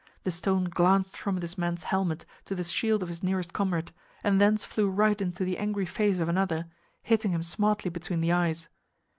The stone glanced from this man's helmet to the shield of his nearest comrade, and thence flew right into the angry face of another, hitting him smartly between the eyes.